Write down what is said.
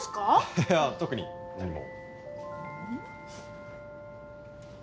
いや特に何も。